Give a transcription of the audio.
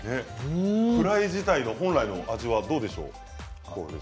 フライ自体の本来の味はどうですか？